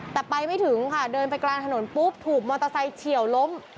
แต่ไปไม่ถึงค่ะเดินไปกลางถนนปุ๊บถูกมอเตอร์ไซค์เฉียวล้ม